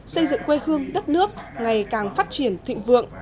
xây dựng quê hương đất nước ngày càng phát triển thịnh vượng